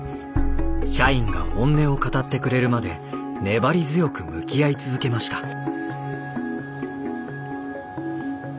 社員が本音を語ってくれるまで粘り強く向き合い続けました。